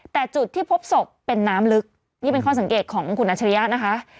แต่จุดที่พบศพเป็นน้ำลึกนี่เป็นข้อสังเกตของคุณอัชริยะนะคะ